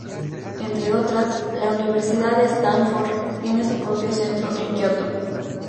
Entre otras, la Universidad de Stanford tiene su propio centro en Kioto.